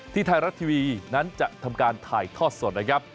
ไทยรัฐทีวีนั้นจะทำการถ่ายทอดสดนะครับ